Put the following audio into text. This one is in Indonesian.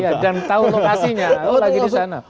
iya dan tahu lokasinya